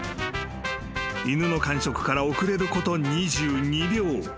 ［犬の完食から遅れること２２秒。